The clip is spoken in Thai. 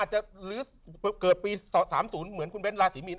หรือเกิดปี๓๐เหมือนคุณเบ้นราศีมีน